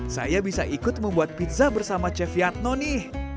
saya bisa ikut membuat pizza bersama chef yadnonih